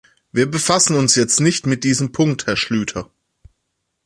Wir befassen uns jetzt nicht mit diesem Punkt, Herr Schlyter.